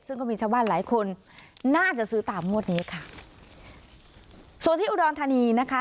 ซึ่งก็มีชาวบ้านหลายคนน่าจะซื้อตามงวดนี้ค่ะส่วนที่อุดรธานีนะคะ